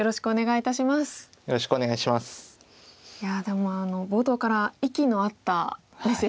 いやでも冒頭から息の合ったメッセージでしたね。